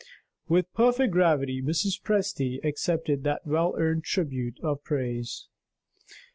With perfect gravity Mrs. Presty accepted that well earned tribute of praise.